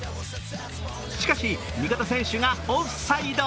しかし、味方選手がオフサイド。